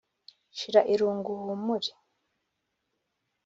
shira irungu uhumure